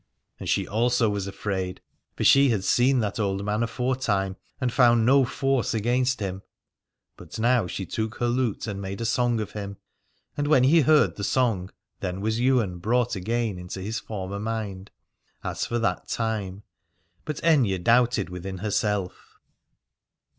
And she also was afraid, for she had seen that old man aforetime, and found no force against him. But now she took her lute and made a song of him : and when he heard the song then was Ywain brought again into his former mind, as for that time, but Aithne doubted within herself.